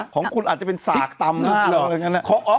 ของคุณอาจจะเป็นสากตำหน้าหรอ